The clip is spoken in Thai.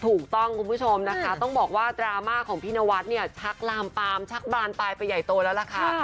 คุณผู้ชมนะคะต้องบอกว่าดราม่าของพี่นวัดเนี่ยชักลามปามชักบานปลายไปใหญ่โตแล้วล่ะค่ะ